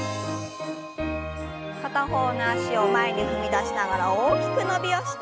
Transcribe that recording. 片方の脚を前に踏み出しながら大きく伸びをして。